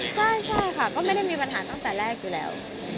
ใช่ค่ะก็ไม่ได้มีปัญหาตั้งแต่แรกอยู่แล้ว